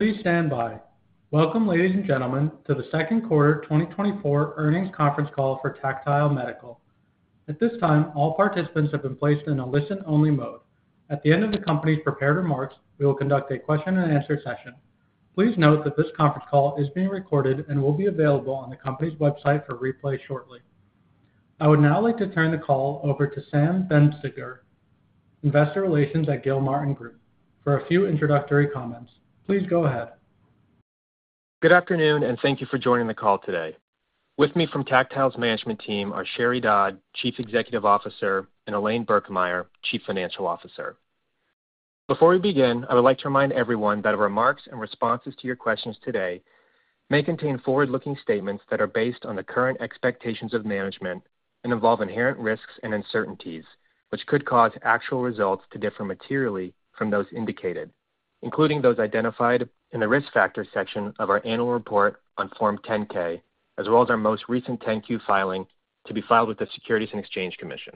Please stand by. Welcome, ladies and gentlemen, to the Q2 2024 earnings conference call for Tactile Medical. At this time, all participants have been placed in a listen-only mode. At the end of the company's prepared remarks, we will conduct a question-and-answer session. Please note that this conference call is being recorded and will be available on the company's website for replay shortly. I would now like to turn the call over to Sam Benzinger, Investor Relations at Gilmartin Group, for a few introductory comments. Please go ahead. Good afternoon, and thank you for joining the call today. With me from Tactile's management team are Sheri Dodd, Chief Executive Officer, and Elaine Birkemeyer, Chief Financial Officer. Before we begin, I would like to remind everyone that our remarks and responses to your questions today may contain forward-looking statements that are based on the current expectations of management and involve inherent risks and uncertainties, which could cause actual results to differ materially from those indicated, including those identified in the risk factor section of our annual report on Form 10-K, as well as our most recent 10-Q filing to be filed with the Securities and Exchange Commission.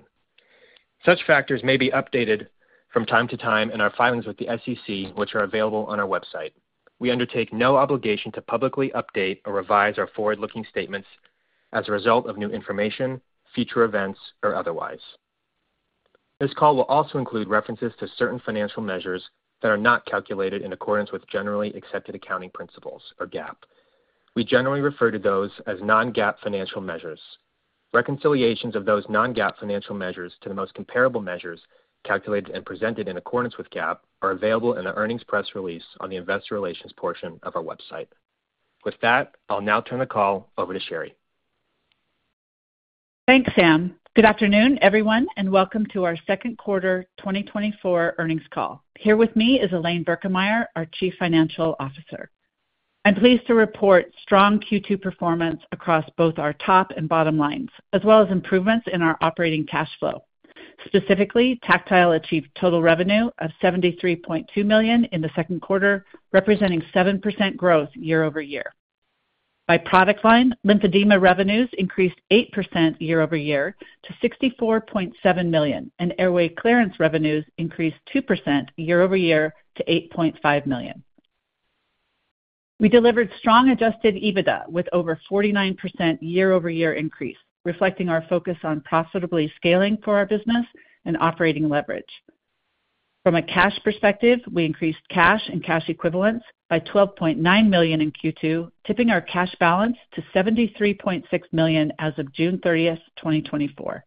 Such factors may be updated from time to time in our filings with the SEC, which are available on our website. We undertake no obligation to publicly update or revise our forward-looking statements as a result of new information, future events, or otherwise. This call will also include references to certain financial measures that are not calculated in accordance with Generally Accepted Accounting Principles, or GAAP. We generally refer to those as non-GAAP financial measures. Reconciliations of those non-GAAP financial measures to the most comparable measures calculated and presented in accordance with GAAP are available in the earnings press release on the Investor Relations portion of our website. With that, I'll now turn the call over to Sheri. Thanks, Sam. Good afternoon, everyone, and welcome to our Q2 2024 earnings call. Here with me is Elaine Birkemeyer, our Chief Financial Officer. I'm pleased to report strong Q2 performance across both our top and bottom lines, as well as improvements in our operating cash flow. Specifically, Tactile achieved total revenue of $73.2 million in the Q2, representing 7% year-over-year growth. By product line, lymphedema revenues increased 8% year over year to $64.7 million, and airway clearance revenues increased 2% year over year to $8.5 million. We delivered strong Adjusted EBITDA with over a 49% year-over-year increase, reflecting our focus on profitably scaling for our business and operating leverage. From a cash perspective, we increased cash and cash equivalents by $12.9 million in Q2, tipping our cash balance to $73.6 million as of June 30, 2024.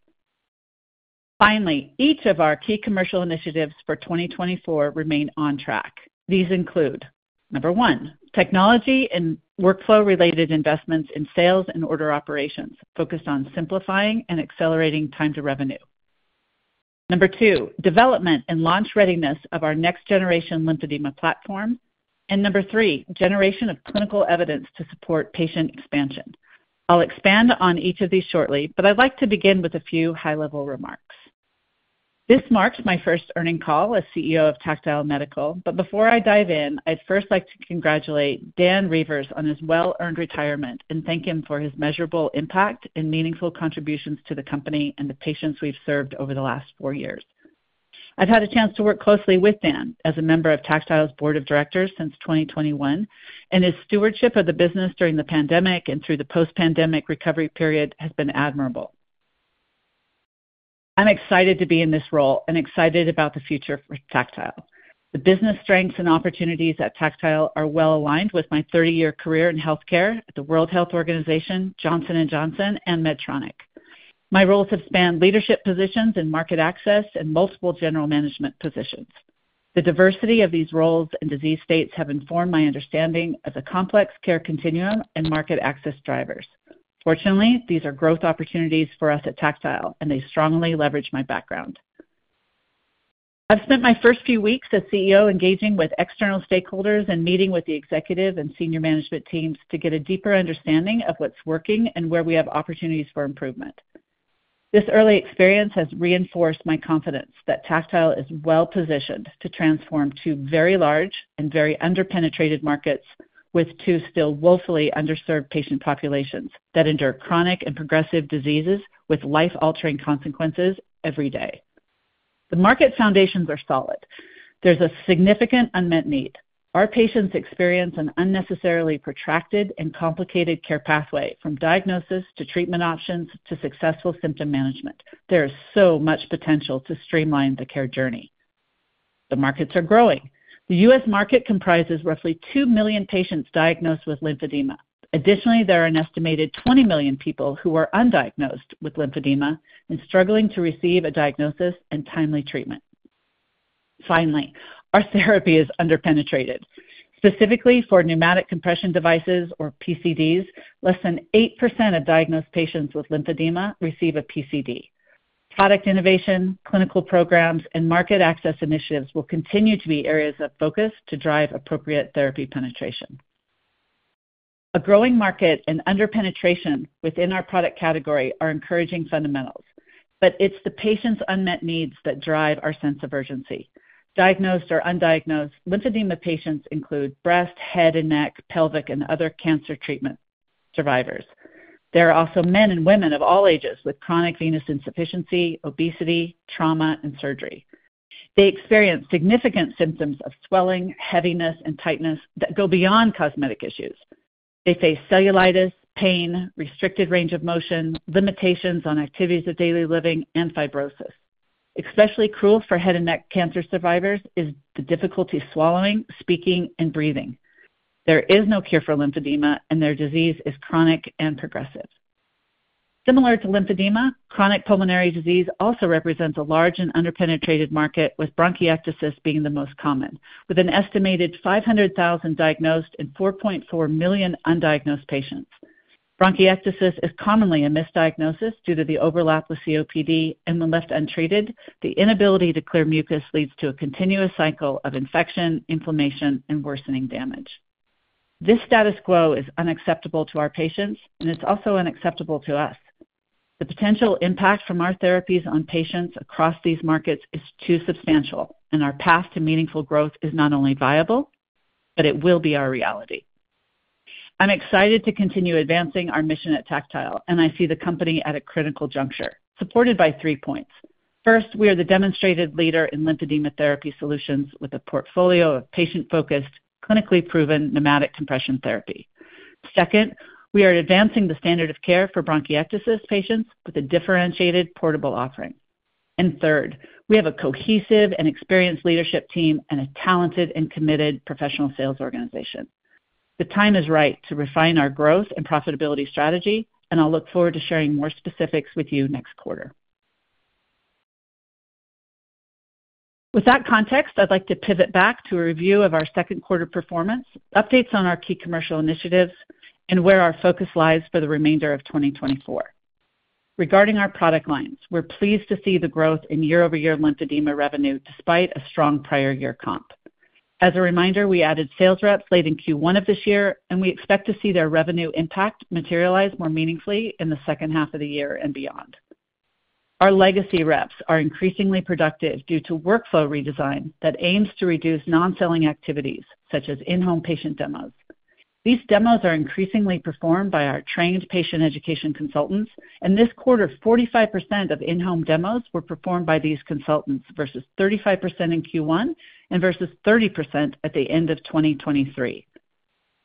Finally, each of our key commercial initiatives for 2024 remained on track. These include: 1, technology and workflow-related investments in sales and order operations, focused on simplifying and accelerating time to revenue. 2, development and launch readiness of our next-generation lymphedema platform. And 3, generation of clinical evidence to support patient expansion. I'll expand on each of these shortly, but I'd like to begin with a few high-level remarks. This marks my first earnings call as CEO of Tactile Medical, but before I dive in, I'd first like to congratulate Dan Reuvers on his well-earned retirement and thank him for his measurable impact and meaningful contributions to the company and the patients we've served over the last 4 years. I've had a chance to work closely with Dan as a member of Tactile's board of directors since 2021, and his stewardship of the business during the pandemic and through the post-pandemic recovery period has been admirable. I'm excited to be in this role and excited about the future for Tactile. The business strengths and opportunities at Tactile are well aligned with my 30-year career in healthcare at the World Health Organization, Johnson & Johnson, and Medtronic. My roles have spanned leadership positions in market access and multiple general management positions. The diversity of these roles and disease states have informed my understanding of the complex care continuum and market access drivers. Fortunately, these are growth opportunities for us at Tactile, and they strongly leverage my background. I've spent my first few weeks as CEO engaging with external stakeholders and meeting with the executive and senior management teams to get a deeper understanding of what's working and where we have opportunities for improvement. This early experience has reinforced my confidence that Tactile is well-positioned to transform two very large and very under-penetrated markets with two still woefully underserved patient populations that endure chronic and progressive diseases with life-altering consequences every day. The market foundations are solid. There's a significant unmet need. Our patients experience an unnecessarily protracted and complicated care pathway from diagnosis to treatment options to successful symptom management. There is so much potential to streamline the care journey. The markets are growing. The U.S. market comprises roughly 2 million patients diagnosed with lymphedema. Additionally, there are an estimated 20 million people who are undiagnosed with lymphedema and struggling to receive a diagnosis and timely treatment. Finally, our therapy is under-penetrated. Specifically for pneumatic compression devices, or PCDs, less than 8% of diagnosed patients with lymphedema receive a PCD. Product innovation, clinical programs, and market access initiatives will continue to be areas of focus to drive appropriate therapy penetration. A growing market and under-penetration within our product category are encouraging fundamentals, but it's the patients' unmet needs that drive our sense of urgency. Diagnosed or undiagnosed, lymphedema patients include breast, head, and neck, pelvic, and other cancer treatment survivors. There are also men and women of all ages with chronic venous insufficiency, obesity, trauma, and surgery. They experience significant symptoms of swelling, heaviness, and tightness that go beyond cosmetic issues. They face cellulitis, pain, restricted range of motion, limitations on activities of daily living, and fibrosis. Especially cruel for head and neck cancer survivors is the difficulty swallowing, speaking, and breathing. There is no cure for lymphedema, and their disease is chronic and progressive. Similar to lymphedema, chronic pulmonary disease also represents a large and under-penetrated market, with bronchiectasis being the most common, with an estimated 500,000 diagnosed and 4.4 million undiagnosed patients. Bronchiectasis is commonly a misdiagnosis due to the overlap with COPD, and when left untreated, the inability to clear mucus leads to a continuous cycle of infection, inflammation, and worsening damage. This status quo is unacceptable to our patients, and it's also unacceptable to us. The potential impact from our therapies on patients across these markets is too substantial, and our path to meaningful growth is not only viable, but it will be our reality. I'm excited to continue advancing our mission at Tactile, and I see the company at a critical juncture, supported by three points. First, we are the demonstrated leader in lymphedema therapy solutions with a portfolio of patient-focused, clinically proven pneumatic compression therapy. Second, we are advancing the standard of care for bronchiectasis patients with a differentiated, portable offering. Third, we have a cohesive and experienced leadership team and a talented and committed professional sales organization. The time is right to refine our growth and profitability strategy, and I'll look forward to sharing more specifics with you next quarter. With that context, I'd like to pivot back to a review of our Q2 performance, updates on our key commercial initiatives, and where our focus lies for the remainder of 2024. Regarding our product lines, we're pleased to see the growth in year-over-year lymphedema revenue despite a strong prior year comp. As a reminder, we added sales reps late in Q1 of this year, and we expect to see their revenue impact materialize more meaningfully in the second half of the year and beyond. Our legacy reps are increasingly productive due to workflow redesign that aims to reduce non-selling activities, such as in-home patient demos. These demos are increasingly performed by our trained patient education consultants, and this quarter, 45% of in-home demos were performed by these consultants versus 35% in Q1 and versus 30% at the end of 2023.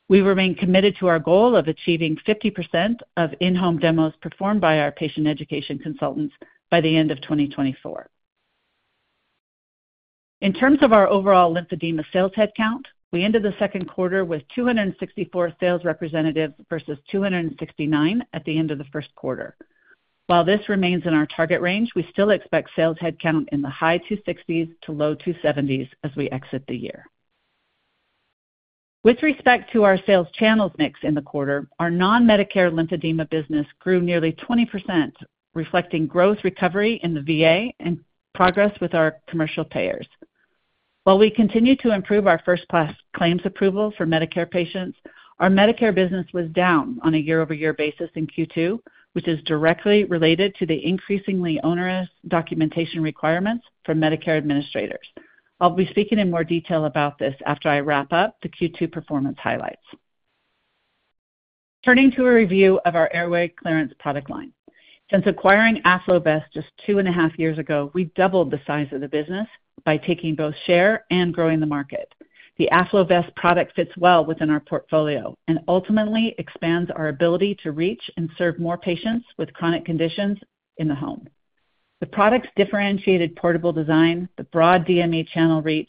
We remain committed to our goal of achieving 50% of in-home demos performed by our patient education consultants by the end of 2024. In terms of our overall lymphedema sales headcount, we ended the Q2 with 264 sales representatives versus 269 at the end of the Q1. While this remains in our target range, we still expect sales headcount in the high 260s to low 270s as we exit the year. With respect to our sales channels mix in the quarter, our non-Medicare lymphedema business grew nearly 20%, reflecting growth recovery in the VA and progress with our commercial payers. While we continue to improve our first-class claims approval for Medicare patients, our Medicare business was down on a year-over-year basis in Q2, which is directly related to the increasingly onerous documentation requirements for Medicare administrators. I'll be speaking in more detail about this after I wrap up the Q2 performance highlights. Turning to a review of our airway clearance product line. Since acquiring AfloVest just two and a half years ago, we doubled the size of the business by taking both share and growing the market. The AfloVest product fits well within our portfolio and ultimately expands our ability to reach and serve more patients with chronic conditions in the home. The product's differentiated portable design, the broad DME channel reach,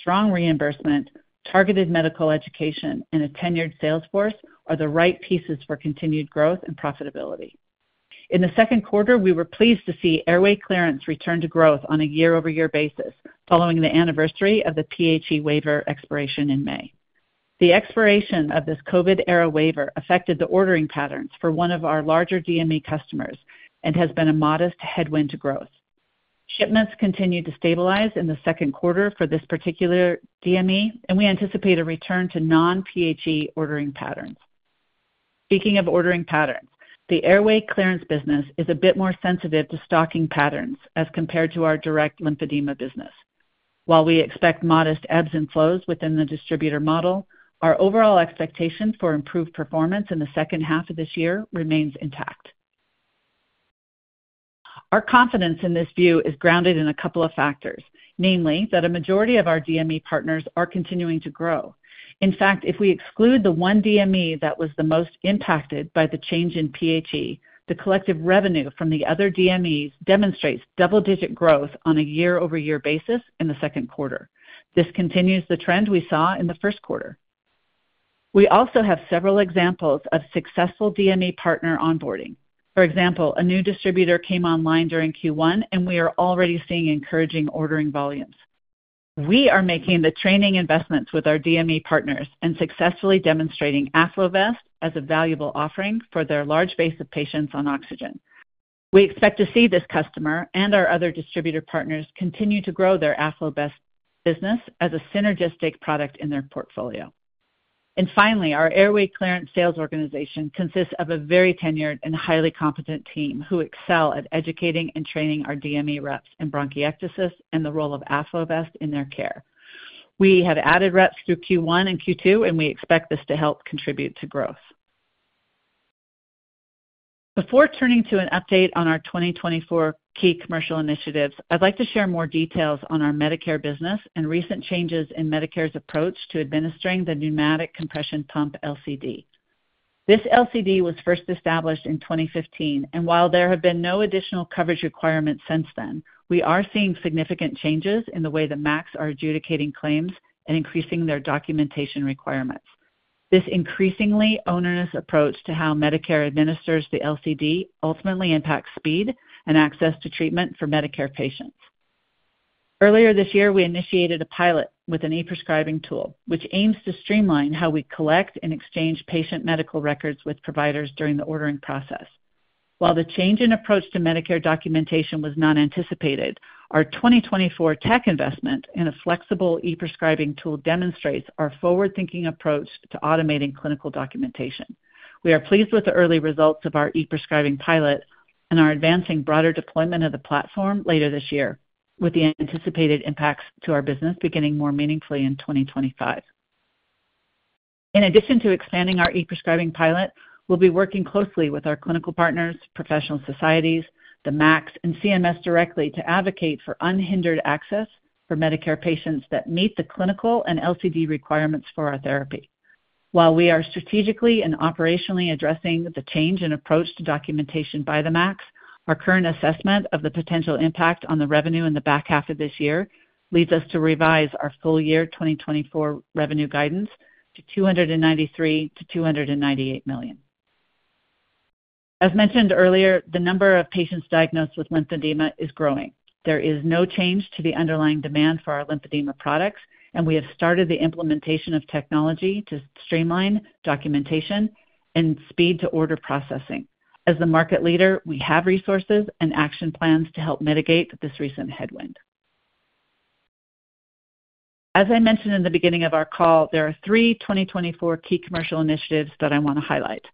strong reimbursement, targeted medical education, and a tenured salesforce are the right pieces for continued growth and profitability. In the Q2, we were pleased to see airway clearance return to growth on a year-over-year basis following the anniversary of the PHE waiver expiration in May. The expiration of this COVID-era waiver affected the ordering patterns for one of our larger DME customers and has been a modest headwind to growth. Shipments continued to stabilize in the Q2 for this particular DME, and we anticipate a return to non-PHE ordering patterns. Speaking of ordering patterns, the airway clearance business is a bit more sensitive to stocking patterns as compared to our direct lymphedema business. While we expect modest ebbs and flows within the distributor model, our overall expectation for improved performance in the second half of this year remains intact. Our confidence in this view is grounded in a couple of factors, namely that a majority of our DME partners are continuing to grow. In fact, if we exclude the one DME that was the most impacted by the change in PHE, the collective revenue from the other DMEs demonstrates double-digit growth on a year-over-year basis in the Q2. This continues the trend we saw in the Q1. We also have several examples of successful DME partner onboarding. For example, a new distributor came online during Q1, and we are already seeing encouraging ordering volumes. We are making the training investments with our DME partners and successfully demonstrating AfloVest as a valuable offering for their large base of patients on oxygen. We expect to see this customer and our other distributor partners continue to grow their AfloVest business as a synergistic product in their portfolio. Finally, our airway clearance sales organization consists of a very tenured and highly competent team who excel at educating and training our DME reps in bronchiectasis and the role of AfloVest in their care. We have added reps through Q1 and Q2, and we expect this to help contribute to growth. Before turning to an update on our 2024 key commercial initiatives, I'd like to share more details on our Medicare business and recent changes in Medicare's approach to administering the pneumatic compression pump LCD. This LCD was first established in 2015, and while there have been no additional coverage requirements since then, we are seeing significant changes in the way the MACs are adjudicating claims and increasing their documentation requirements. This increasingly onerous approach to how Medicare administers the LCD ultimately impacts speed and access to treatment for Medicare patients. Earlier this year, we initiated a pilot with an e-prescribing tool, which aims to streamline how we collect and exchange patient medical records with providers during the ordering process. While the change in approach to Medicare documentation was not anticipated, our 2024 tech investment in a flexible e-prescribing tool demonstrates our forward-thinking approach to automating clinical documentation. We are pleased with the early results of our e-prescribing pilot and are advancing broader deployment of the platform later this year, with the anticipated impacts to our business beginning more meaningfully in 2025. In addition to expanding our e-prescribing pilot, we'll be working closely with our clinical partners, professional societies, the MACs, and CMS directly to advocate for unhindered access for Medicare patients that meet the clinical and LCD requirements for our therapy. While we are strategically and operationally addressing the change in approach to documentation by the MACs, our current assessment of the potential impact on the revenue in the back half of this year leads us to revise our full year 2024 revenue guidance to $293 million-$298 million. As mentioned earlier, the number of patients diagnosed with Lymphedema is growing. There is no change to the underlying demand for our Lymphedema products, and we have started the implementation of technology to streamline documentation and speed to order processing. As the market leader, we have resources and action plans to help mitigate this recent headwind. As I mentioned in the beginning of our call, there are three 2024 key commercial initiatives that I want to highlight.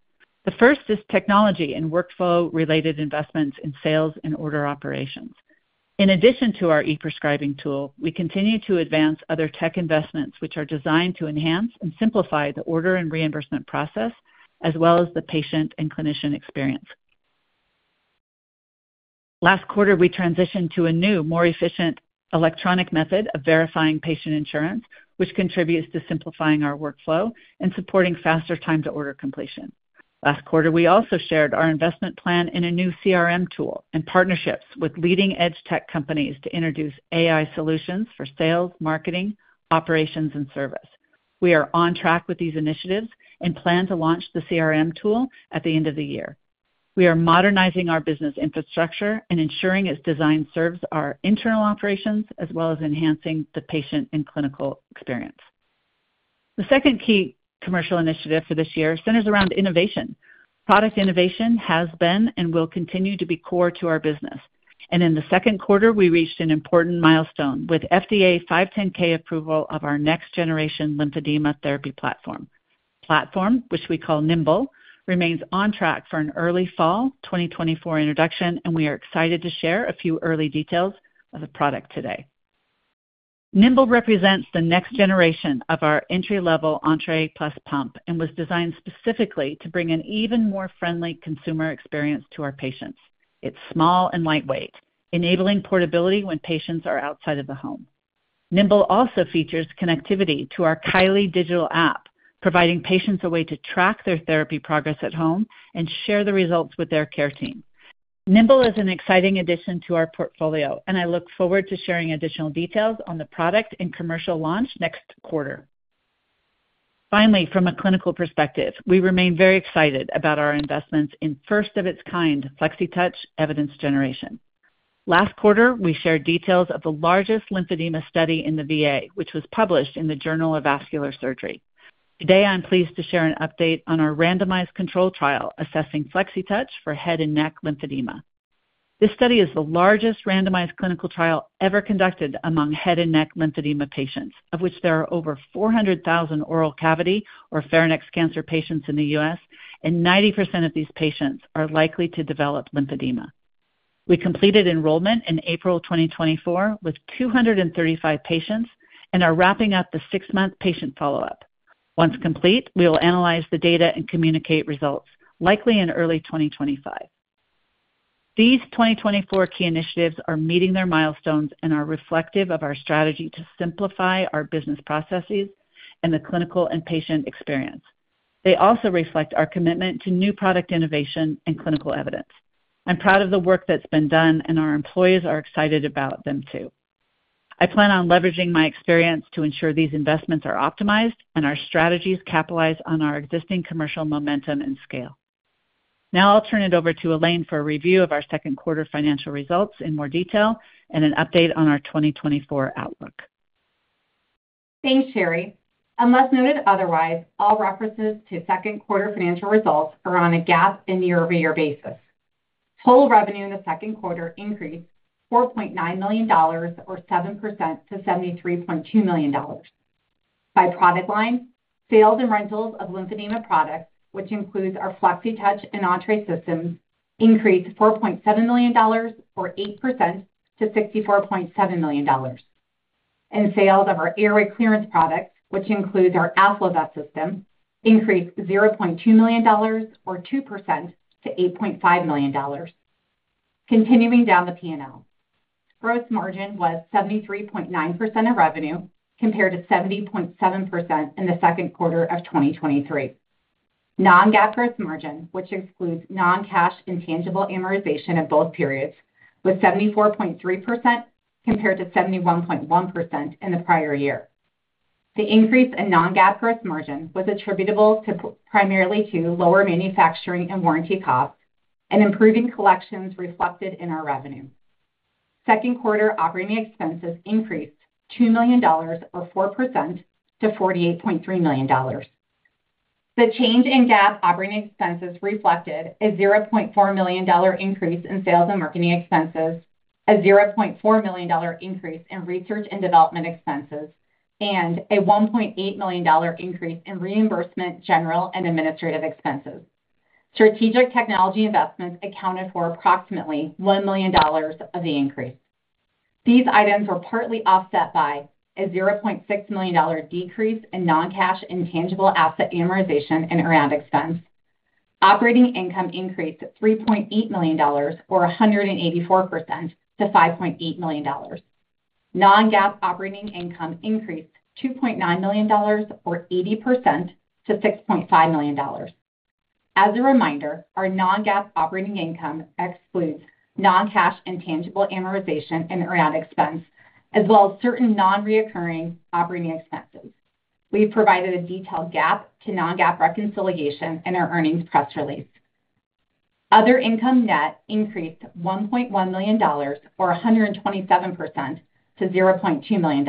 The first is technology and workflow-related investments in sales and order operations. In addition to our e-prescribing tool, we continue to advance other tech investments which are designed to enhance and simplify the order and reimbursement process, as well as the patient and clinician experience. Last quarter, we transitioned to a new, more efficient electronic method of verifying patient insurance, which contributes to simplifying our workflow and supporting faster time to order completion. Last quarter, we also shared our investment plan in a new CRM tool and partnerships with leading-edge tech companies to introduce AI solutions for sales, marketing, operations, and service. We are on track with these initiatives and plan to launch the CRM tool at the end of the year. We are modernizing our business infrastructure and ensuring its design serves our internal operations, as well as enhancing the patient and clinical experience. The second key commercial initiative for this year centers around innovation. Product innovation has been and will continue to be core to our business. In the Q2, we reached an important milestone with FDA 510(k) approval of our next-generation lymphedema therapy platform. The platform, which we call Nimbl, remains on track for an early fall 2024 introduction, and we are excited to share a few early details of the product today. Nimbl represents the next generation of our entry-level Entrée Plus pump and was designed specifically to bring an even more friendly consumer experience to our patients. It's small and lightweight, enabling portability when patients are outside of the home. Nimbl also features connectivity to our Kylee digital app, providing patients a way to track their therapy progress at home and share the results with their care team. Nimbl is an exciting addition to our portfolio, and I look forward to sharing additional details on the product and commercial launch next quarter. Finally, from a clinical perspective, we remain very excited about our investments in first-of-its-kind FlexiTouch evidence generation. Last quarter, we shared details of the largest lymphedema study in the VA, which was published in the Journal of Vascular Surgery. Today, I'm pleased to share an update on our randomized control trial assessing FlexiTouch for head and neck lymphedema. This study is the largest randomized clinical trial ever conducted among head and neck lymphedema patients, of which there are over 400,000 oral cavity or pharynx cancer patients in the U.S., and 90% of these patients are likely to develop lymphedema. We completed enrollment in April 2024 with 235 patients and are wrapping up the six-month patient follow-up. Once complete, we will analyze the data and communicate results, likely in early 2025. These 2024 key initiatives are meeting their milestones and are reflective of our strategy to simplify our business processes and the clinical and patient experience. They also reflect our commitment to new product innovation and clinical evidence. I'm proud of the work that's been done, and our employees are excited about them too. I plan on leveraging my experience to ensure these investments are optimized and our strategies capitalize on our existing commercial momentum and scale. Now I'll turn it over to Elaine for a review of our Q2 financial results in more detail and an update on our 2024 outlook. Thanks, Sheri. Unless noted otherwise, all references to Q2 financial results are on a GAAP and year-over-year basis. Total revenue in the Q2 increased $4.9 million or 7% to $73.2 million. By product line, sales and rentals of lymphedema products, which includes our FlexiTouch and Entrée systems, increased $4.7 million or 8% to $64.7 million. And sales of our airway clearance products, which includes our AfloVest system, increased $0.2 million or 2% to $8.5 million. Continuing down the P&L, gross margin was 73.9% of revenue compared to 70.7% in the Q2 of 2023. Non-GAAP gross margin, which excludes non-cash intangible amortization in both periods, was 74.3% compared to 71.1% in the prior year. The increase in non-GAAP gross margin was attributable primarily to lower manufacturing and warranty costs, and improving collections reflected in our revenue. Q2 operating expenses increased $2 million or 4% to $48.3 million. The change in GAAP operating expenses reflected a $0.4 million increase in sales and marketing expenses, a $0.4 million increase in research and development expenses, and a $1.8 million increase in reimbursement general and administrative expenses. Strategic technology investments accounted for approximately $1 million of the increase. These items were partly offset by a $0.6 million decrease in non-cash intangible asset amortization and around expense. Operating income increased $3.8 million or 184% to $5.8 million. Non-GAAP operating income increased $2.9 million or 80% to $6.5 million. As a reminder, our non-GAAP operating income excludes non-cash intangible amortization and around expense, as well as certain non-recurring operating expenses. We've provided a detailed GAAP to non-GAAP reconciliation in our earnings press release. Other income, net increased $1.1 million or 127% to $0.2 million.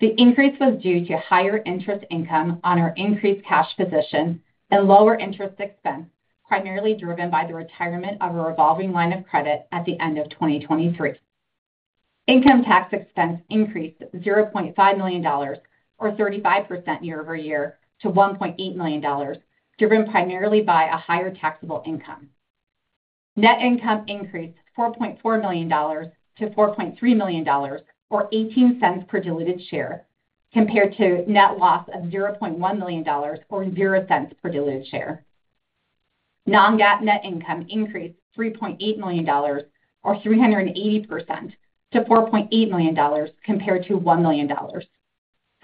The increase was due to higher interest income on our increased cash position and lower interest expense, primarily driven by the retirement of a revolving line of credit at the end of 2023. Income tax expense increased $0.5 million or 35% year-over-year to $1.8 million, driven primarily by a higher taxable income. Net income increased $4.4 million to $4.3 million or $0.18 per diluted share, compared to net loss of $0.1 million or $0.00 per diluted share. Non-GAAP net income increased $3.8 million or 380% to $4.8 million compared to $1 million.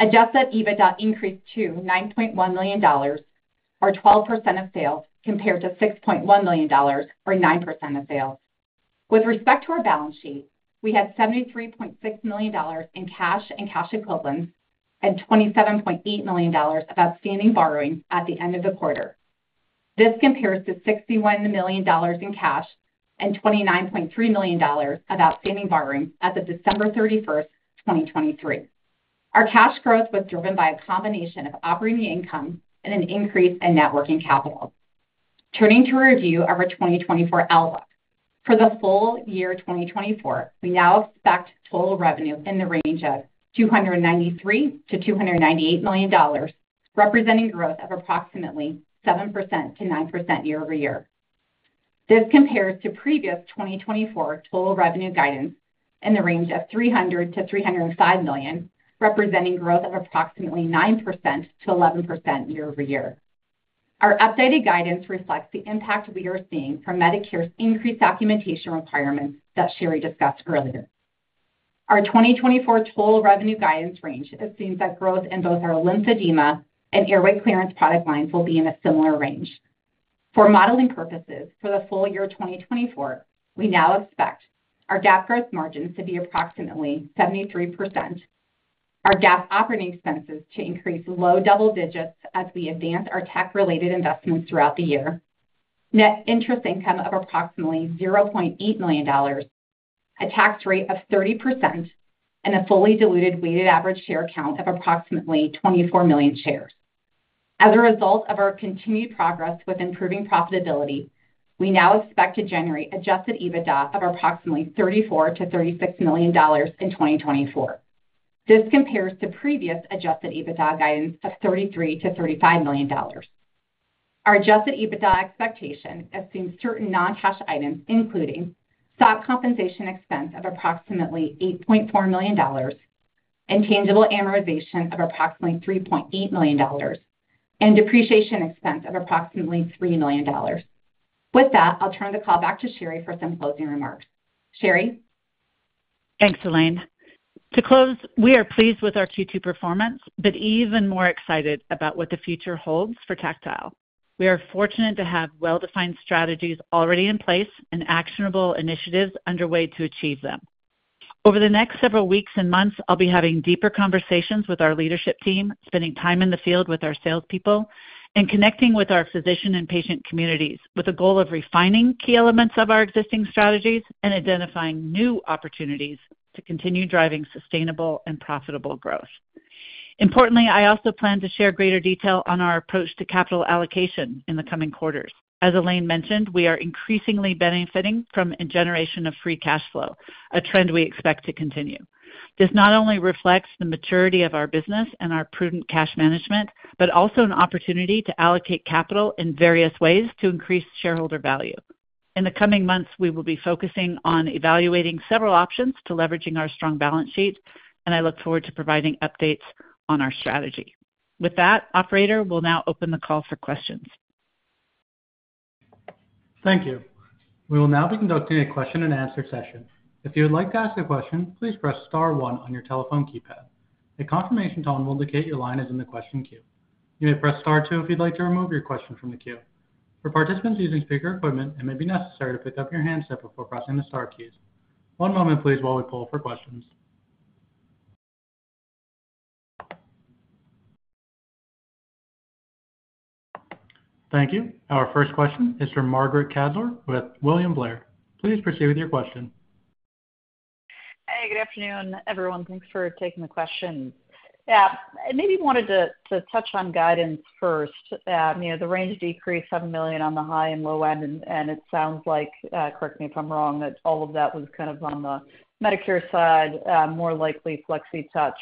Adjusted EBITDA increased to $9.1 million or 12% of sales, compared to $6.1 million or 9% of sales. With respect to our balance sheet, we had $73.6 million in cash and cash equivalents and $27.8 million of outstanding borrowing at the end of the quarter. This compares to $61 million in cash and $29.3 million of outstanding borrowing as of December 31st, 2023. Our cash growth was driven by a combination of operating income and an increase in net working capital. Turning to a review of our 2024 outlook, for the full year 2024, we now expect total revenue in the range of $293-$298 million, representing growth of approximately 7%-9% year-over-year. This compares to previous 2024 total revenue guidance in the range of $300-$305 million, representing growth of approximately 9%-11% year-over-year. Our updated guidance reflects the impact we are seeing from Medicare's increased documentation requirements that Sheri discussed earlier. Our 2024 total revenue guidance range assumes that growth in both our lymphedema and airway clearance product lines will be in a similar range. For modeling purposes, for the full year 2024, we now expect our GAAP gross margin to be approximately 73%, our GAAP operating expenses to increase low double digits as we advance our tech-related investments throughout the year, net interest income of approximately $0.8 million, a tax rate of 30%, and a fully diluted weighted average share count of approximately 24 million shares. As a result of our continued progress with improving profitability, we now expect to generate adjusted EBITDA of approximately $34-$36 million in 2024. This compares to previous adjusted EBITDA guidance of $33-$35 million. Our adjusted EBITDA expectation assumes certain non-cash items, including stock compensation expense of approximately $8.4 million, intangible amortization of approximately $3.8 million, and depreciation expense of approximately $3 million. With that, I'll turn the call back to Sheri for some closing remarks. Sheri. Thanks, Elaine. To close, we are pleased with our Q2 performance, but even more excited about what the future holds for Tactile. We are fortunate to have well-defined strategies already in place and actionable initiatives underway to achieve them. Over the next several weeks and months, I'll be having deeper conversations with our leadership team, spending time in the field with our salespeople, and connecting with our physician and patient communities with a goal of refining key elements of our existing strategies and identifying new opportunities to continue driving sustainable and profitable growth. Importantly, I also plan to share greater detail on our approach to capital allocation in the coming quarters. As Elaine mentioned, we are increasingly benefiting from a generation of free cash flow, a trend we expect to continue. This not only reflects the maturity of our business and our prudent cash management, but also an opportunity to allocate capital in various ways to increase shareholder value. In the coming months, we will be focusing on evaluating several options to leveraging our strong balance sheet, and I look forward to providing updates on our strategy. With that, Operator, we'll now open the call for questions. Thank you. We will now be conducting a question-and-answer session. If you would like to ask a question, please press Star 1 on your telephone keypad. A confirmation tone will indicate your line is in the question queue. You may press Star 2 if you'd like to remove your question from the queue. For participants using speaker equipment, it may be necessary to pick up your handset before pressing the Star keys. One moment, please, while we pull for questions. Thank you. Our first question is from Margaret Kaczor with William Blair. Please proceed with your question. Hey, good afternoon, everyone. Thanks for taking the question. Yeah, I maybe wanted to touch on guidance first. The range decreased $7 million on the high and low end, and it sounds like, correct me if I'm wrong, that all of that was kind of on the Medicare side, more likely FlexiTouch.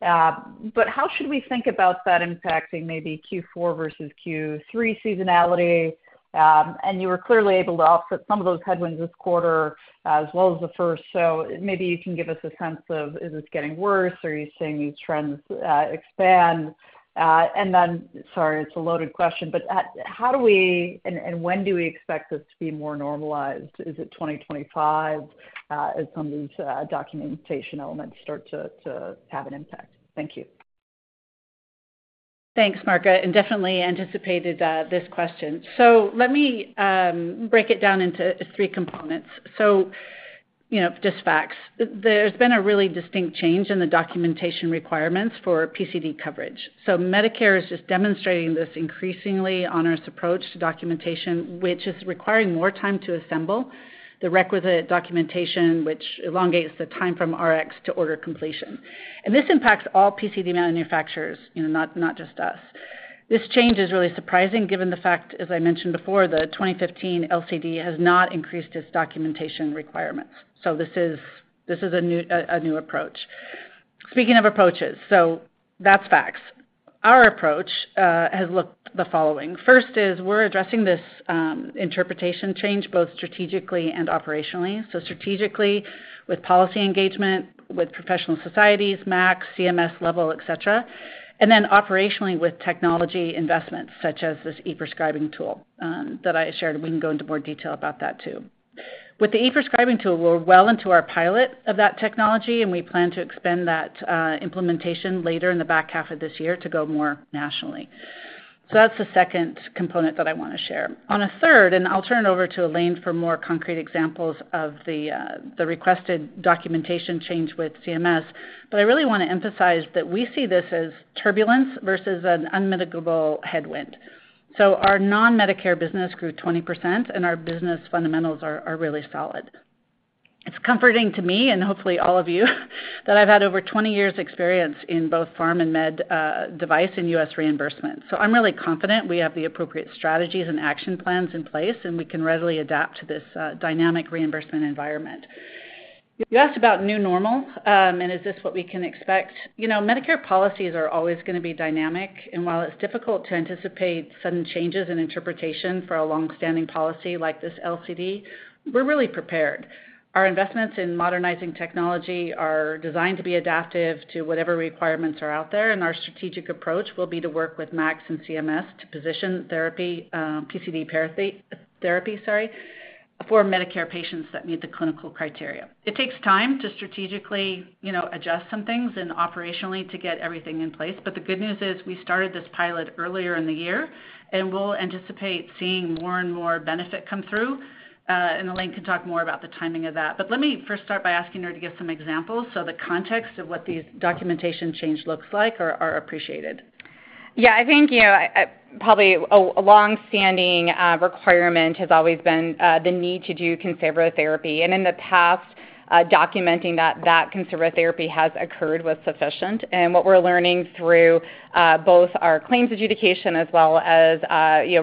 But how should we think about that impacting maybe Q4 versus Q3 seasonality? And you were clearly able to offset some of those headwinds this quarter, as well as the first. So maybe you can give us a sense of, is this getting worse? Are you seeing these trends expand? And then, sorry, it's a loaded question, but how do we and when do we expect this to be more normalized? Is it 2025 as some of these documentation elements start to have an impact? Thank you. Thanks, Margaret. And definitely anticipated this question. So let me break it down into three components. So just facts, there's been a really distinct change in the documentation requirements for PCD coverage. So Medicare is just demonstrating this increasingly onerous approach to documentation, which is requiring more time to assemble the requisite documentation, which elongates the time from Rx to order completion. And this impacts all PCD manufacturers, not just us. This change is really surprising given the fact, as I mentioned before, that 2015 LCD has not increased its documentation requirements. This is a new approach. Speaking of approaches, that's facts. Our approach has looked the following. First is we're addressing this interpretation change both strategically and operationally. Strategically with policy engagement with professional societies, MAC, CMS level, etc. And then operationally with technology investments such as this e-prescribing tool that I shared. We can go into more detail about that too. With the e-prescribing tool, we're well into our pilot of that technology, and we plan to expand that implementation later in the back half of this year to go more nationally. That's the second component that I want to share. On a third, and I'll turn it over to Elaine for more concrete examples of the requested documentation change with CMS, but I really want to emphasize that we see this as turbulence versus an unmitigable headwind. So our non-Medicare business grew 20%, and our business fundamentals are really solid. It's comforting to me and hopefully all of you that I've had over 20 years' experience in both pharm and med device and U.S. reimbursement. So I'm really confident we have the appropriate strategies and action plans in place, and we can readily adapt to this dynamic reimbursement environment. You asked about new normal, and is this what we can expect? Medicare policies are always going to be dynamic, and while it's difficult to anticipate sudden changes in interpretation for a long-standing policy like this LCD, we're really prepared. Our investments in modernizing technology are designed to be adaptive to whatever requirements are out there, and our strategic approach will be to work with MACs and CMS to position therapy, PCD therapy, sorry, for Medicare patients that meet the clinical criteria. It takes time to strategically adjust some things and operationally to get everything in place, but the good news is we started this pilot earlier in the year, and we'll anticipate seeing more and more benefit come through. And Elaine can talk more about the timing of that. But let me first start by asking her to give some examples so the context of what these documentation change looks like are appreciated. Yeah, I think probably a long-standing requirement has always been the need to do conservative therapy. And in the past, documenting that that conservative therapy has occurred was sufficient. And what we're learning through both our claims adjudication as well as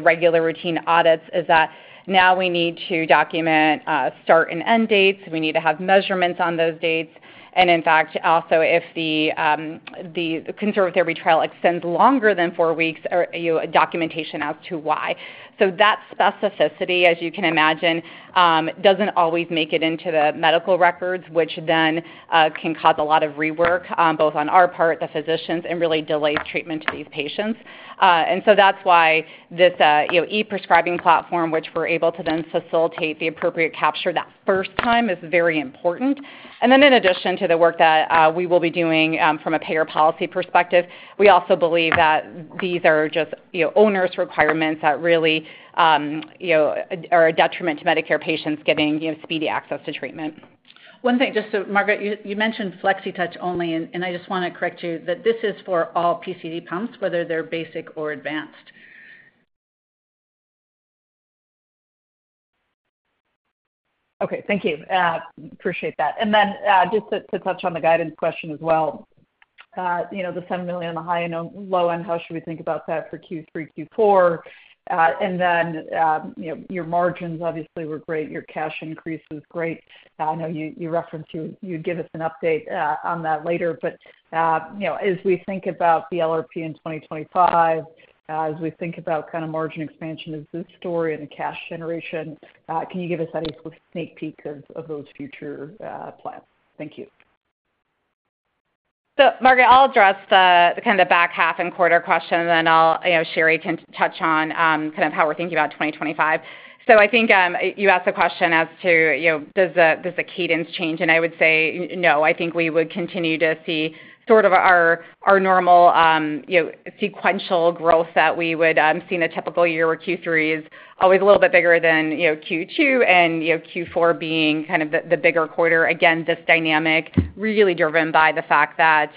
regular routine audits is that now we need to document start and end dates. We need to have measurements on those dates. And in fact, also, if the conservative therapy trial extends longer than four weeks, documentation as to why. So that specificity, as you can imagine, doesn't always make it into the medical records, which then can cause a lot of rework both on our part, the physicians, and really delays treatment to these patients. And so that's why this e-prescribing platform, which we're able to then facilitate the appropriate capture that first time, is very important. And then in addition to the work that we will be doing from a payer policy perspective, we also believe that these are just payers' requirements that really are a detriment to Medicare patients getting speedy access to treatment. One thing, just so, Margaret, you mentioned FlexiTouch only, and I just want to correct you that this is for all PCD pumps, whether they're basic or advanced. Okay, thank you. Appreciate that. And then just to touch on the guidance question as well, the $7 million on the high and low end, how should we think about that for Q3, Q4? And then your margins obviously were great. Your cash increase was great. I know you referenced you'd give us an update on that later, but as we think about the LRP in 2025, as we think about kind of margin expansion as this story and the cash generation, can you give us any sneak peek of those future plans? Thank you. So, Margaret, I'll address the kind of back half and quarter question, and then Sheri can touch on kind of how we're thinking about 2025. So I think you asked the question as to does the cadence change, and I would say no. I think we would continue to see sort of our normal sequential growth that we would see in a typical year where Q3 is always a little bit bigger than Q2 and Q4 being kind of the bigger quarter. Again, this dynamic really driven by the fact that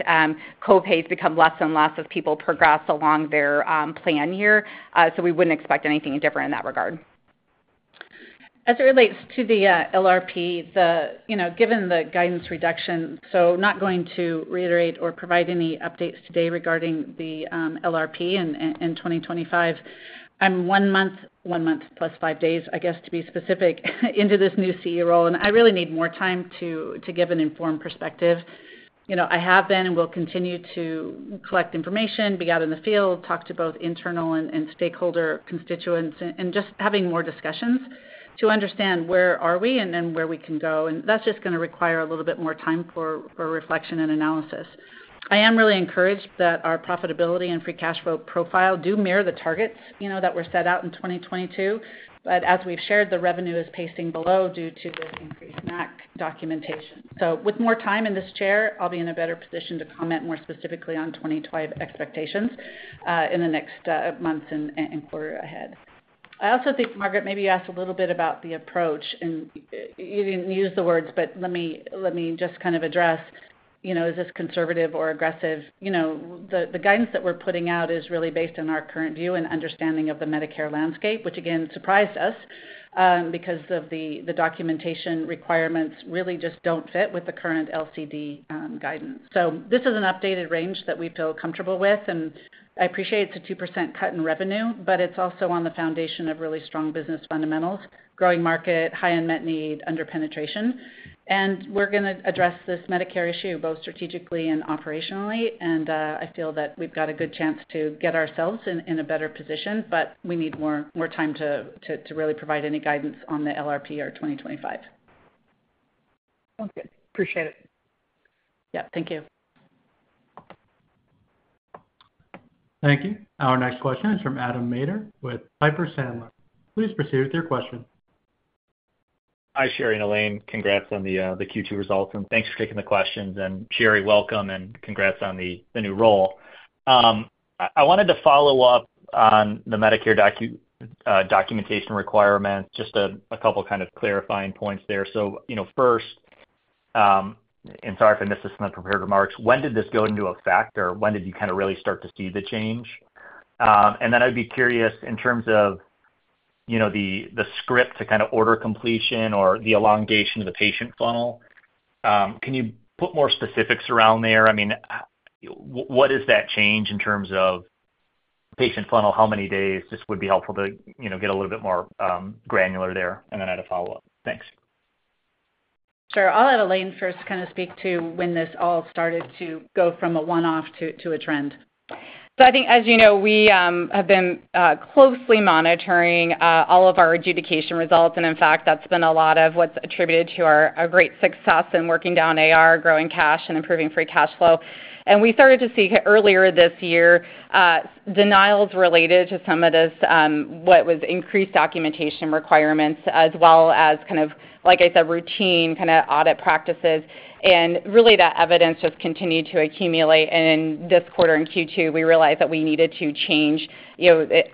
copays become less and less as people progress along their plan year. So we wouldn't expect anything different in that regard. As it relates to the LRP, given the guidance reduction, so not going to reiterate or provide any updates today regarding the LRP in 2025. I'm 1 month, 1 month plus 5 days, I guess, to be specific, into this new CEO role, and I really need more time to give an informed perspective. I have been and will continue to collect information, be out in the field, talk to both internal and stakeholder constituents, and just having more discussions to understand where are we and where we can go. And that's just going to require a little bit more time for reflection and analysis. I am really encouraged that our profitability and free cash flow profile do mirror the targets that were set out in 2022, but as we've shared, the revenue is pacing below due to this increased MAC documentation. So with more time in this chair, I'll be in a better position to comment more specifically on 2025 expectations in the next months and quarter ahead. I also think, Margaret, maybe you asked a little bit about the approach, and you didn't use the words, but let me just kind of address, is this conservative or aggressive? The guidance that we're putting out is really based on our current view and understanding of the Medicare landscape, which again, surprised us because of the documentation requirements really just don't fit with the current LCD guidance. So this is an updated range that we feel comfortable with, and I appreciate it's a 2% cut in revenue, but it's also on the foundation of really strong business fundamentals, growing market, high unmet need, under penetration. We're going to address this Medicare issue both strategically and operationally, and I feel that we've got a good chance to get ourselves in a better position, but we need more time to really provide any guidance on the LRP or 2025. Sounds good. Appreciate it. Yeah, thank you. Thank you. Our next question is from Adam Maeder with Piper Sandler. Please proceed with your question. Hi, Sheri and Elaine. Congrats on the Q2 results, and thanks for taking the questions. Sheri, welcome, and congrats on the new role. I wanted to follow up on the Medicare documentation requirements, just a couple of kind of clarifying points there. First, and sorry if I missed this in the prepared remarks, when did this go into effect, or when did you kind of really start to see the change? Then I'd be curious in terms of the script to kind of order completion or the elongation of the patient funnel. Can you put more specifics around there? I mean, what is that change in terms of patient funnel, how many days? Just would be helpful to get a little bit more granular there, and then I'd follow up. Thanks. Sure. I'll let Elaine first kind of speak to when this all started to go from a one-off to a trend. So I think, as you know, we have been closely monitoring all of our adjudication results, and in fact, that's been a lot of what's attributed to our great success in working down AR, growing cash, and improving free cash flow. And we started to see earlier this year denials related to some of this, what was increased documentation requirements, as well as kind of, like I said, routine kind of audit practices. And really, that evidence just continued to accumulate. And in this Q2, we realized that we needed to change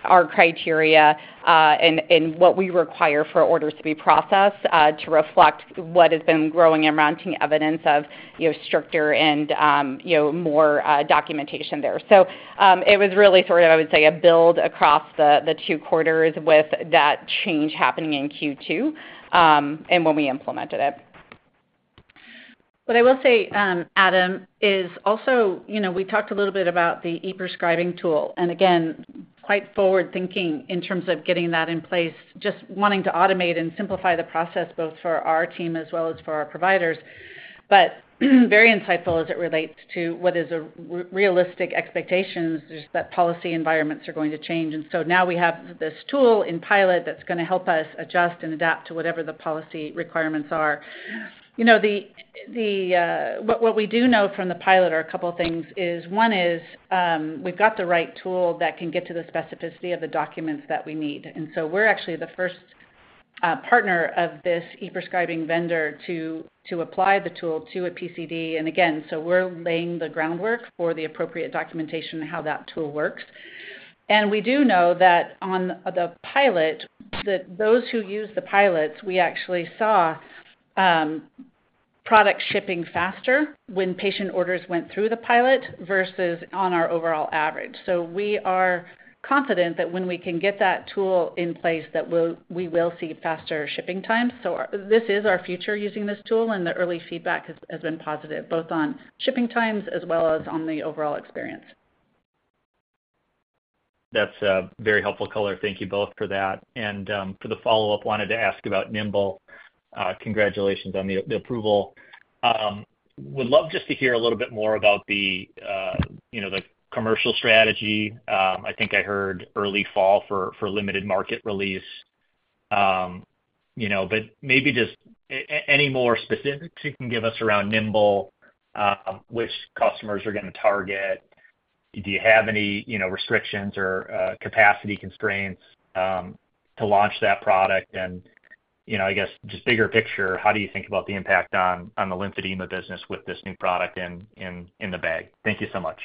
our criteria and what we require for orders to be processed to reflect what has been growing and mounting evidence of stricter and more documentation there. So it was really sort of, I would say, a build across the Q2 with that change happening in Q2 and when we implemented it. What I will say, Adam, is also we talked a little bit about the e-prescribing tool. And again, quite forward-thinking in terms of getting that in place, just wanting to automate and simplify the process both for our team as well as for our providers. But very insightful as it relates to what is a realistic expectation is that policy environments are going to change. And so now we have this tool in pilot that's going to help us adjust and adapt to whatever the policy requirements are. What we do know from the pilot are a couple of things. One is we've got the right tool that can get to the specificity of the documents that we need. And so we're actually the first partner of this e-prescribing vendor to apply the tool to a PCD. And again, so we're laying the groundwork for the appropriate documentation and how that tool works. And we do know that on the pilot, that those who use the pilots, we actually saw product shipping faster when patient orders went through the pilot versus on our overall average. So we are confident that when we can get that tool in place, that we will see faster shipping times. So this is our future using this tool, and the early feedback has been positive both on shipping times as well as on the overall experience. That's very helpful, Color. Thank you both for that. And for the follow-up, wanted to ask about Nimbl. Congratulations on the approval. Would love just to hear a little bit more about the commercial strategy. I think I heard early fall for limited market release. But maybe just any more specifics you can give us around Nimbl, which customers are going to target. Do you have any restrictions or capacity constraints to launch that product? And I guess just bigger picture, how do you think about the impact on the lymphedema business with this new product in the bag? Thank you so much.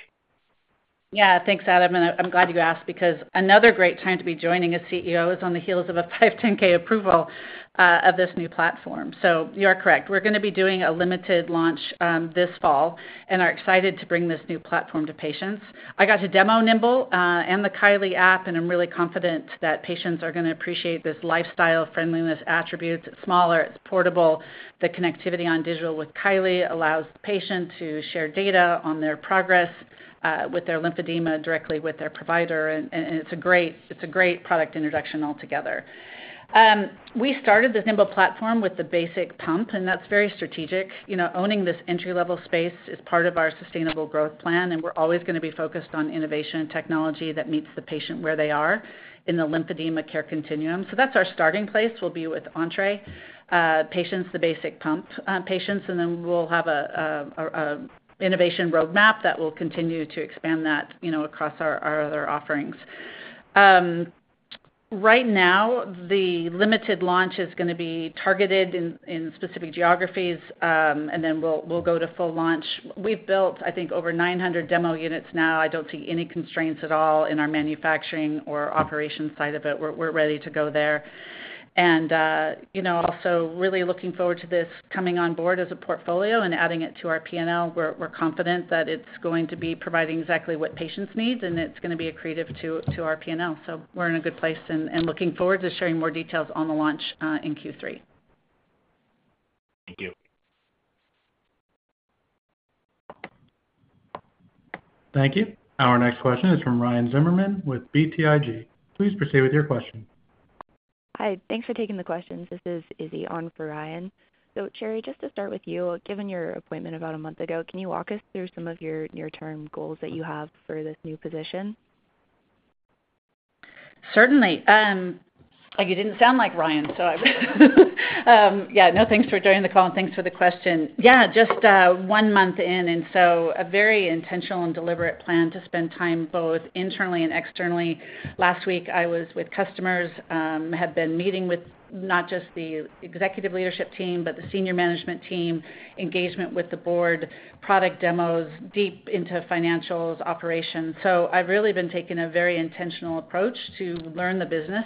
Yeah, thanks, Adam. And I'm glad you asked because another great time to be joining a CEO is on the heels of a 510(k) approval of this new platform. So you are correct. We're going to be doing a limited launch this fall and are excited to bring this new platform to patients. I got to demo Nimbl and the Kylee app, and I'm really confident that patients are going to appreciate this lifestyle-friendliness attribute. It's smaller. It's portable. The connectivity on digital with Kylee allows the patient to share data on their progress with their lymphedema directly with their provider. It's a great product introduction altogether. We started the Nimbl platform with the basic pump, and that's very strategic. Owning this entry-level space is part of our sustainable growth plan, and we're always going to be focused on innovation and technology that meets the patient where they are in the lymphedema care continuum. That's our starting place. We'll be with Entrée patients, the basic pump patients, and then we'll have an innovation roadmap that will continue to expand that across our other offerings. Right now, the limited launch is going to be targeted in specific geographies, and then we'll go to full launch. We've built, I think, over 900 demo units now. I don't see any constraints at all in our manufacturing or operation side of it. We're ready to go there. And also really looking forward to this coming on board as a portfolio and adding it to our P&L. We're confident that it's going to be providing exactly what patients need, and it's going to be accretive to our P&L. So we're in a good place and looking forward to sharing more details on the launch in Q3. Thank you. Thank you. Our next question is from Ryan Zimmerman with BTIG. Please proceed with your question. Hi. Thanks for taking the questions. This is Izzy on for Ryan. So Sheri, just to start with you, given your appointment about a month ago, can you walk us through some of your near-term goals that you have for this new position? Certainly. You didn't sound like Ryan, so yeah. No, thanks for joining the call and thanks for the question. Yeah, just one month in, and so a very intentional and deliberate plan to spend time both internally and externally. Last week, I was with customers, had been meeting with not just the executive leadership team, but the senior management team, engagement with the board, product demos, deep into financials, operations. So I've really been taking a very intentional approach to learn the business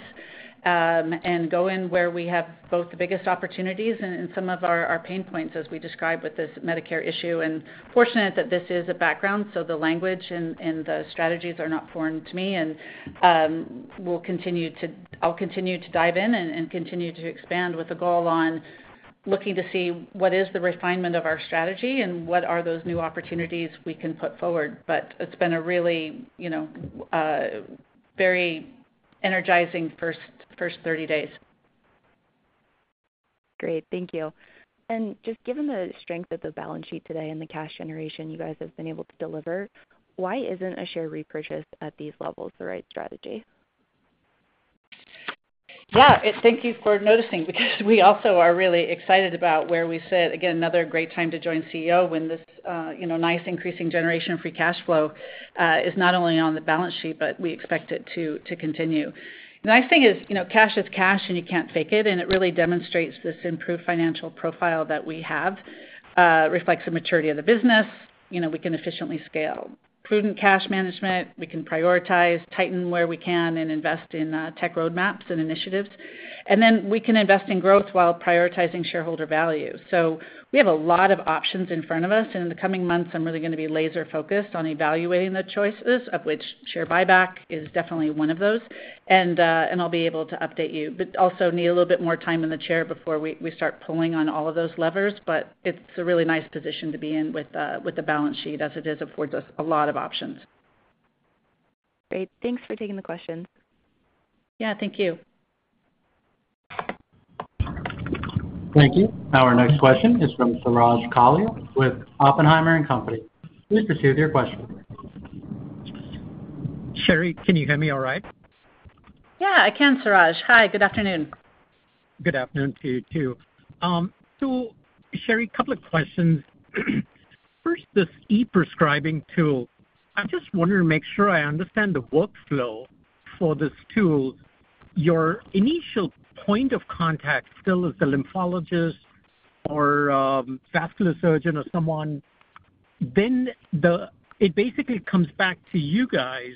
and go in where we have both the biggest opportunities and some of our pain points, as we described with this Medicare issue. And fortunate that this is a background, so the language and the strategies are not foreign to me. And I'll continue to dive in and continue to expand with a goal on looking to see what is the refinement of our strategy and what are those new opportunities we can put forward. But it's been a really very energizing first 30 days. Great. Thank you. And just given the strength of the balance sheet today and the cash generation you guys have been able to deliver, why isn't a share repurchase at these levels the right strategy? Yeah. Thank you for noticing because we also are really excited about where we sit. Again, another great time to join CEO when this nice increasing generation of free cash flow is not only on the balance sheet, but we expect it to continue. The nice thing is cash is cash, and you can't fake it. And it really demonstrates this improved financial profile that we have, reflects the maturity of the business. We can efficiently scale. Prudent cash management, we can prioritize, tighten where we can, and invest in tech roadmaps and initiatives. And then we can invest in growth while prioritizing shareholder value. So we have a lot of options in front of us. And in the coming months, I'm really going to be laser-focused on evaluating the choices, of which share buyback is definitely one of those. And I'll be able to update you, but also need a little bit more time in the chair before we start pulling on all of those levers. But it's a really nice position to be in with the balance sheet as it is affords us a lot of options. Great. Thanks for taking the question. Yeah, thank you. Thank you. Our next question is from Suraj Kalia with Oppenheimer & Company. Please proceed with your question. Sheri, can you hear me all right? Yeah, I can, Suraj. Hi, good afternoon. Good afternoon to you too. So Sheri, a couple of questions. First, this e-prescribing tool, I just wanted to make sure I understand the workflow for this tool. Your initial point of contact still is the lymphologist or vascular surgeon or someone. Then it basically comes back to you guys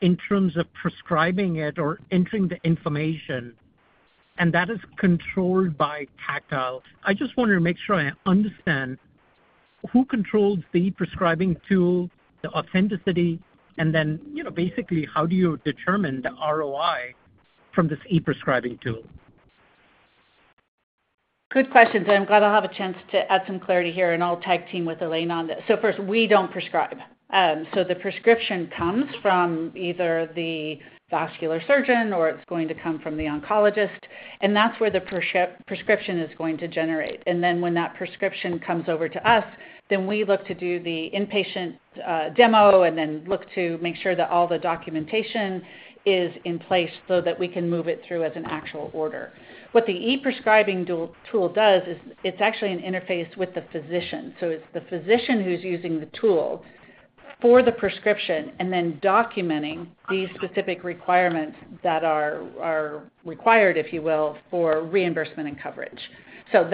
in terms of prescribing it or entering the information, and that is controlled by Tactile. I just wanted to make sure I understand who controls the e-prescribing tool, the authenticity, and then basically how do you determine the ROI from this e-prescribing tool? Good question. And I'm glad I'll have a chance to add some clarity here, and I'll tag team with Elaine on this. So first, we don't prescribe. So the prescription comes from either the vascular surgeon or it's going to come from the oncologist. And that's where the prescription is going to generate. And then when that prescription comes over to us, then we look to do the inpatient demo and then look to make sure that all the documentation is in place so that we can move it through as an actual order. What the e-prescribing tool does is it's actually an interface with the physician. So it's the physician who's using the tool for the prescription and then documenting these specific requirements that are required, if you will, for reimbursement and coverage. So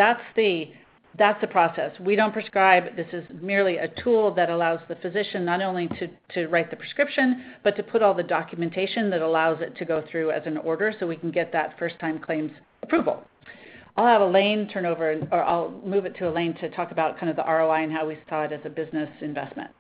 that's the process. We don't prescribe. This is merely a tool that allows the physician not only to write the prescription, but to put all the documentation that allows it to go through as an order so we can get that first-time claims approval. I'll have Elaine turn over, or I'll move it to Elaine to talk about kind of the ROI and how we saw it as a business investment.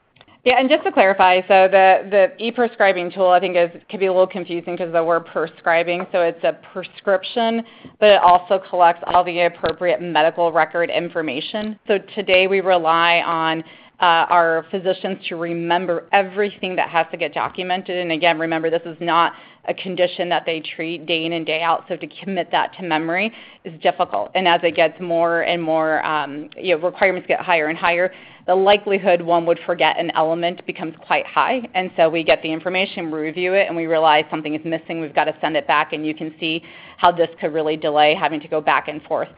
Yeah. And just to clarify, so the e-prescribing tool, I think, can be a little confusing because of the word prescribing. So it's a prescription, but it also collects all the appropriate medical record information. So today, we rely on our physicians to remember everything that has to get documented. And again, remember, this is not a condition that they treat day in and day out. So to commit that to memory is difficult. And as it gets more and more, requirements get higher and higher, the likelihood one would forget an element becomes quite high. And so we get the information, we review it, and we realize something is missing. We've got to send it back, and you can see how this could really delay having to go back and forth.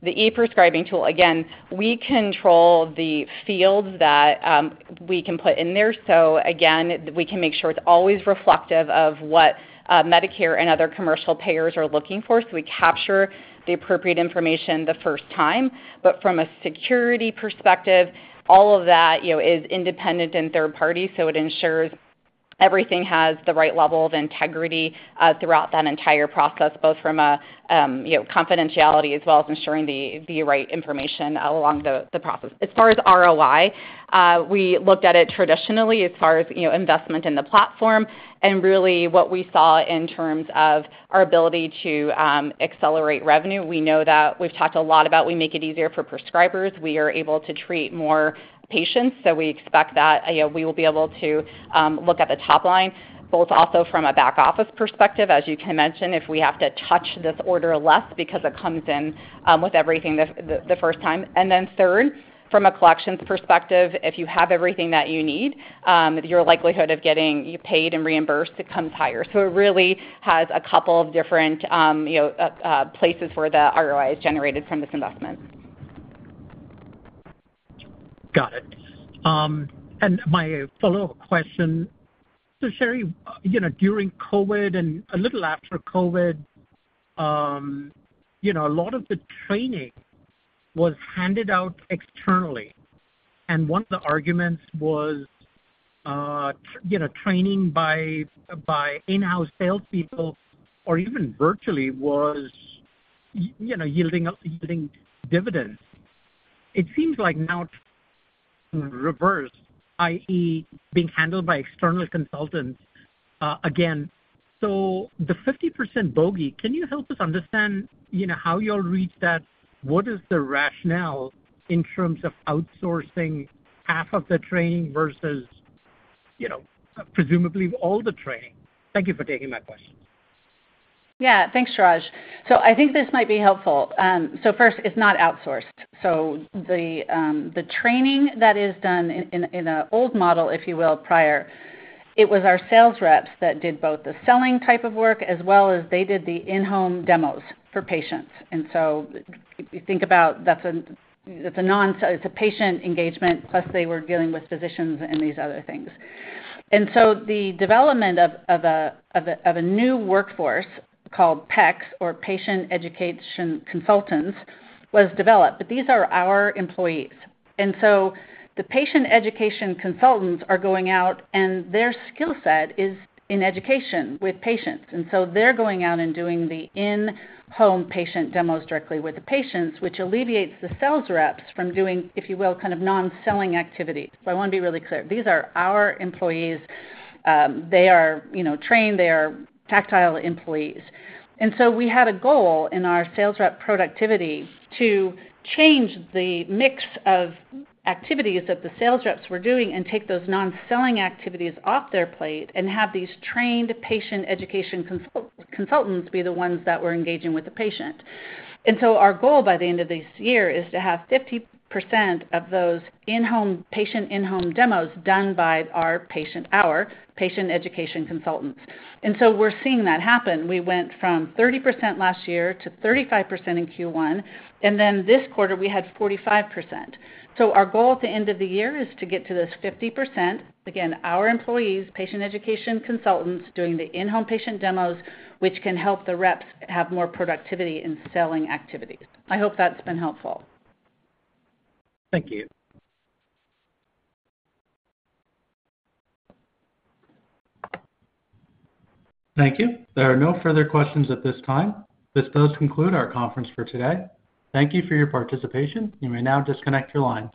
The e-prescribing tool, again, we control the fields that we can put in there. So again, we can make sure it's always reflective of what Medicare and other commercial payers are looking for. So we capture the appropriate information the first time. But from a security perspective, all of that is independent and third-party. So it ensures everything has the right level of integrity throughout that entire process, both from confidentiality as well as ensuring the right information along the process. As far as ROI, we looked at it traditionally as far as investment in the platform. And really, what we saw in terms of our ability to accelerate revenue, we know that we've talked a lot about we make it easier for prescribers. We are able to treat more patients. So we expect that we will be able to look at the top line, both also from a back-office perspective, as you can mention, if we have to touch this order less because it comes in with everything the first time. And then third, from a collections perspective, if you have everything that you need, your likelihood of getting paid and reimbursed comes higher. So it really has a couple of different places where the ROI is generated from this investment. Got it. And my follow-up question. So Sheri, during COVID and a little after COVID, a lot of the training was handed out externally. And one of the arguments was training by in-house salespeople or even virtually was yielding dividends. It seems like now it's reversed, i.e., being handled by external consultants. Again. So the 50% bogey, can you help us understand how you'll reach that? What is the rationale in terms of outsourcing half of the training versus presumably all the training? Thank you for taking my question. Yeah. Thanks, Suraj. So I think this might be helpful. So first, it's not outsourced. So the training that is done in an old model, if you will, prior, it was our sales reps that did both the selling type of work as well as they did the in-home demos for patients. And so you think about that's a patient engagement, plus they were dealing with physicians and these other things. And so the development of a new workforce called PECs, or Patient Education Consultants, was developed. But these are our employees. And so the Patient Education Consultants are going out, and their skill set is in education with patients. They're going out and doing the in-home patient demos directly with the patients, which alleviates the sales reps from doing, if you will, kind of non-selling activities. I want to be really clear. These are our employees. They are trained. They are Tactile employees. We had a goal in our sales rep productivity to change the mix of activities that the sales reps were doing and take those non-selling activities off their plate and have these trained patient education consultants be the ones that were engaging with the patient. Our goal by the end of this year is to have 50% of those in-home patient demos done by our PECs, patient education consultants. We're seeing that happen. We went from 30% last year to 35% in Q1. Then this quarter, we had 45%. So our goal at the end of the year is to get to this 50%, again, our employees, patient education consultants doing the in-home patient demos, which can help the reps have more productivity in selling activities. I hope that's been helpful. Thank you. Thank you. There are no further questions at this time. This does conclude our conference for today. Thank you for your participation. You may now disconnect your line.